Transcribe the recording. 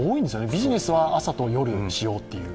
ビジネスは朝と夜にしようという。